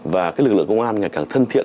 và lực lượng công an ngày càng thân thiện